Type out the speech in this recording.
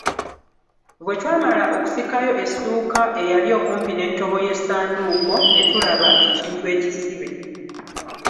Bwe twamala okusikayo essuuka eyali okumpi n'entobo y'essanduuko, ne tulaba ekintu ekisibe.